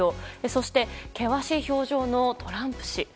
そして、険しい表情のトランプ氏。